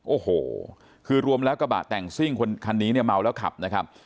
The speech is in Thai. โอ้โหคือรวมแล้วกระบะแต่งซิ่งคันนี้เนี่ยเมาแล้วขับนะครับ